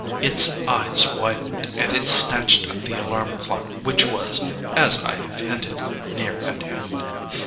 Its eyes widened and it snatched up the alarm clock which was, as I have hinted, near at hand.